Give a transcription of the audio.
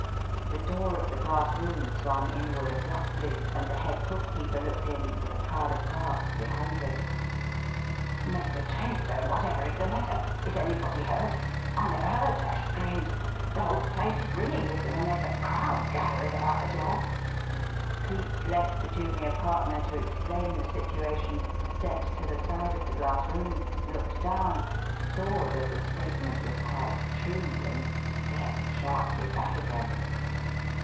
The door of the glass room swung inward abruptly, and the head bookkeeper looked in, with a crowd of clerks behind him. "Mr. Trent, sir, whatever is the matter? Is anybody hurt? I never heard such screams. The whole place is ringing with them and there's a crowd gathering about the door." Cleek left the junior partner to explain the situation, stepped to the side of the glass room, looked down, saw that the statement was quite true, and stepped sharply back again.